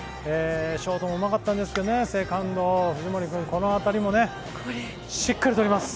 ショートもうまかったんですけど、セカンド、藤森君、この当たりもね、しっかり捕ります。